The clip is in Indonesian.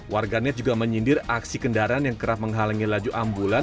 warganet juga menyindir aksi kendaraan yang kerap menghalangi laju ambulan